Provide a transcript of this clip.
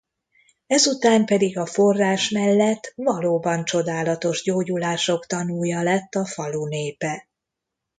Ezután pedig a forrás mellett valóban csodálatos gyógyulások tanúja lett a falu népe.